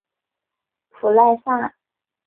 普赖萨。